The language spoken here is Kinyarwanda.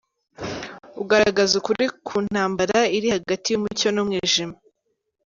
Ugaragaza ukuri ku ntambara iri hagati yumucyo numwijima